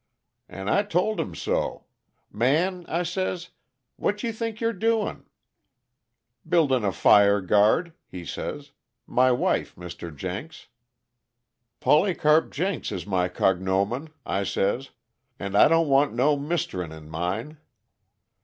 "And I told him so. 'Man,' I says, 'what you think you're doing?' "'Buildin' a fire guard,' he says. 'My wife, Mr. Jenks.' "'Polycarp Jenks is my cognomen,' I says. 'And I don't want no misterin' in mine.